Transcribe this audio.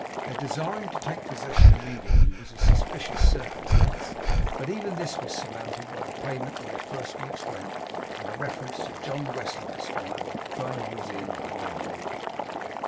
Their desiring to take possession immediately was a suspicious circumstance, but even this was surmounted by the payment of their first week's rent, and a reference to John Westlock, Esquire, Furnival's Inn, High Holborn.